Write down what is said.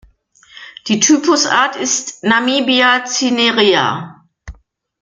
Die Typusart ist "Namibia cinerea".